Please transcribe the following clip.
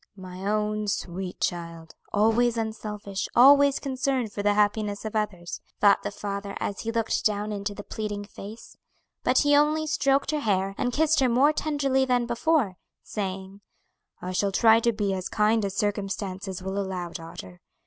"My own sweet child! always unselfish, always concerned for the happiness of others," thought the father as he looked down into the pleading face; but he only stroked her hair, and kissed her more tenderly than before, saying, "I shall try to be as kind as circumstances will allow, daughter.